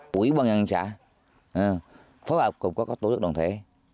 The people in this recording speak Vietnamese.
quỹ bọn nhân trả phối hợp cùng các tổ chức đồng thể